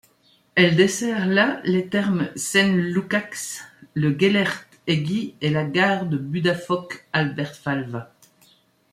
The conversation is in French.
Elle dessert la, les Thermes Szent Lukács, le Gellért-hegy et la Gare de Budafok-Albertfalva.